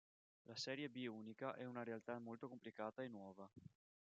La serie B unica è una realtà molto complicata e nuova.